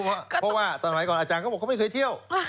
เพราะว่าสมัยก่อนอาจารย์เขาบอกเขาไม่เคยเที่ยว